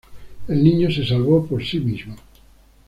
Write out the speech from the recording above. El niño se salvó por sí mismo.